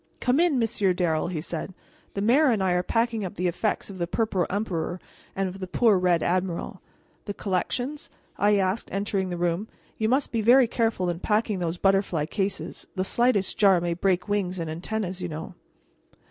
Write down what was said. "Come in, Monsieur Darrel," he said; "the mayor and I are packing up the effects of the Purple Emperor and of the poor Red Admiral." "The collections?" I asked, entering the room. "You must be very careful in packing those butterfly cases; the slightest jar might break wings and antennas, you know."